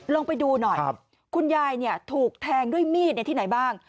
ลงไปดูหน่อยคุณยายถูกแทงด้วยมีดที่ไหนบ้าง